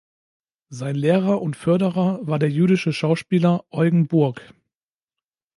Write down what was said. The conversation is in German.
Sein Lehrer und Förderer war der jüdische Schauspieler Eugen Burg.